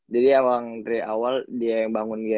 jadi emang dari awal dia yang bangun gm